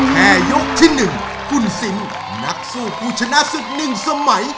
แค่ยกที่หนึ่งคุณสินนักสู้กุชนะสุดหนึ่งสมัย